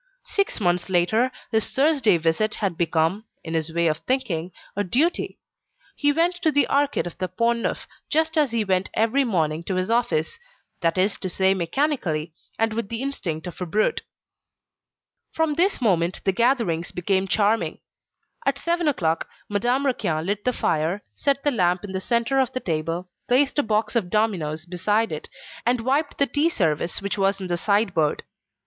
Six months later, his Thursday visit had become, in his way of thinking, a duty: he went to the Arcade of the Pont Neuf, just as he went every morning to his office, that is to say mechanically, and with the instinct of a brute. From this moment, the gatherings became charming. At seven o'clock Madame Raquin lit the fire, set the lamp in the centre of the table, placed a box of dominoes beside it, and wiped the tea service which was in the sideboard.